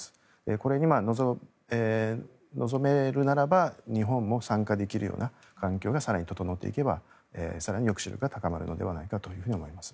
これに、望めるならば日本も参加できるような環境が更に整っていけば更に抑止力が高まっていくのではないかと思います。